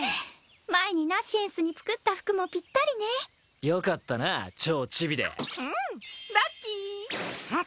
前にナシエンスに作った服もぴったりねよかったな超チビでうんラッキ！